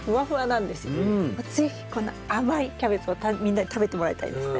是非この甘いキャベツをみんなに食べてもらいたいですね。